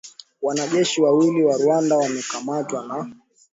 wanajeshi wawili wa Rwanda wamekamatwa na